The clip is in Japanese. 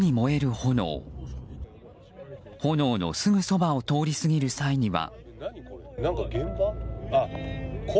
炎のすぐそばを通り過ぎる際には。